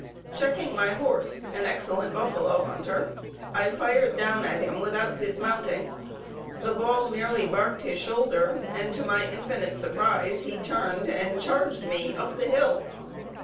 Checking my horse, an excellent buffalo hunter, I fired down at him without dismounting. The ball merely barked his shoulder, and to my infinite surprise he turned and charged me up the hill.